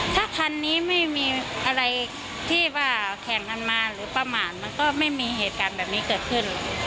ถ้าคันนี้ไม่มีอะไรที่ว่าแข่งกันมาหรือประมาณมันก็ไม่มีเหตุการณ์แบบนี้เกิดขึ้น